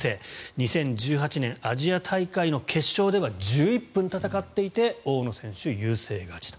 ２０１８年アジア大会の決勝では１１分戦っていて大野選手、優勢勝ちと。